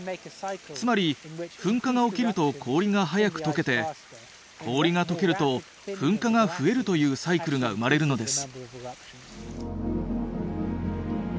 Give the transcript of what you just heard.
つまり噴火が起きると氷が早く解けて氷が解けると噴火が増えるというサイクルが生まれるのです。